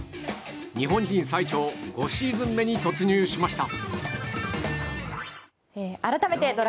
日本人最長５シーズン目に突入しました。